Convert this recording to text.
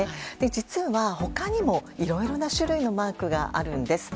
実は、他にもいろいろな種類のマークがあるんです。